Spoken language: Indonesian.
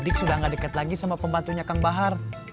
jadi sudah gak deket lagi sama pembantunya kang bahar